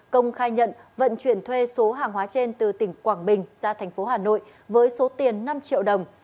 công khai nhận vận chuyển thuê số hàng hóa trên từ tỉnh quảng bình ra thành phố hà nội với số tiền năm triệu đồng